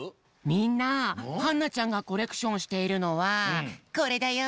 みんなはんなちゃんがコレクションしているのはこれだよ！